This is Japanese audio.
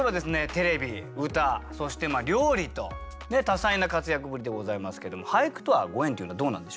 テレビ歌そして料理と多彩な活躍ぶりでございますけども俳句とはご縁というのはどうなんでしょうか？